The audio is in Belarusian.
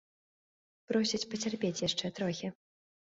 Просяць пацярпець яшчэ трохі.